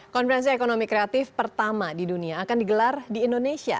konferensi ekonomi kreatif pertama di dunia akan digelar di indonesia